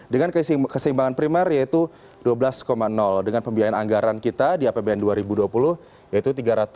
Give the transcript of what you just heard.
dengan keseimbangan primer yaitu dua belas dengan pembiayaan anggaran kita di apbn dua ribu dua puluh yaitu tiga ratus dua puluh